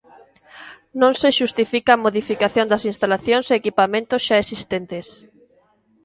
Non se xustifica a modificación das instalación e equipamentos xa existentes.